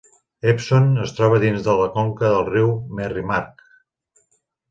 Epsom es troba dins de la conca del riu Merrimack.